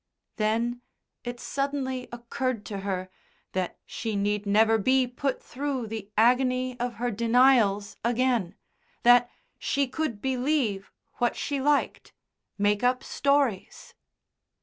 Then it suddenly occurred to her that she need never be put through the agony of her denials again, that she could believe what she liked, make up stories.